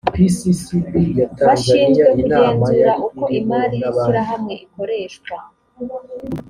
bashinzwe kugenzura uko imari y ishyirahamwe ikoreshwa